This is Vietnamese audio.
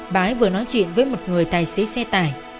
bà ấy vừa nói chuyện với một người tài xế xe tài